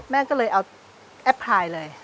แม่ก็เลยเอาแอปพลายเลย